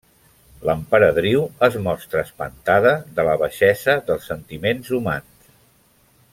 L'emperadriu es mostra espantada de la baixesa dels sentiments humans.